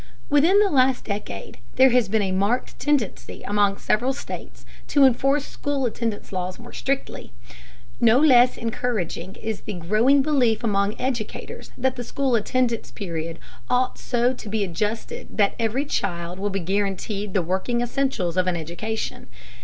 Within the last decade there has been a marked tendency among the several states to enforce school attendance laws more strictly. No less encouraging is the growing belief among educators that the school attendance period ought so to be adjusted that every child will be guaranteed the working essentials of an education.